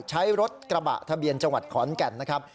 ใช้รถกระบะทะเบียนจังหวัดขอนแก่นนะครับ